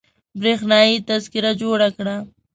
برېښنايي تذکره جوړه کړه